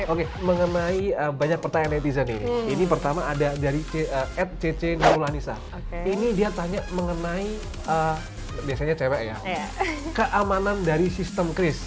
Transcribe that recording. oke mengenai banyak pertanyaan netizen nih ini pertama ada dari atc naulanisa ini dia tanya mengenai biasanya cewek ya keamanan dari sistem kris